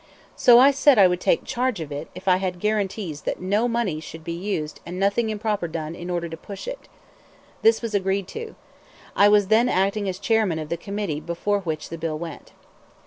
So I said I would take charge of it if I had guarantees that no money should be used and nothing improper done in order to push it. This was agreed to. I was then acting as chairman of the committee before which the bill went.